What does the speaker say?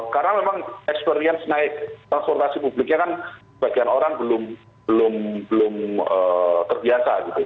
karena memang experience naik transportasi publiknya kan bagian orang belum terbiasa